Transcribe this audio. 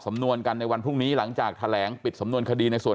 สำนวนกันในวันพรุ่งนี้หลังจากแถลงปิดสำนวนคดีในส่วน